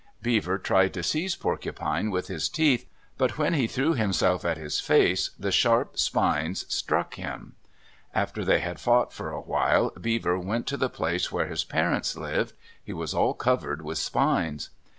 Beaver tried to seize Porcupine with his teeth, but when he threw himself at his face, the sharp spines struck him. After they had fought for a while, Beaver went to the place where his parents lived. He was all covered with spines.